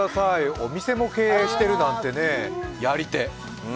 お店も経営しているなんてね、やり手。